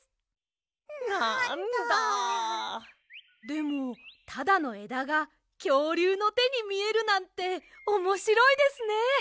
でもただのえだがきょうりゅうのてにみえるなんておもしろいですね。